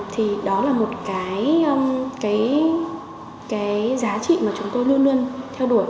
thì đó là một cái giá trị mà chúng tôi luôn luôn theo đuổi